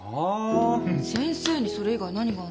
先生にそれ以外何があんの？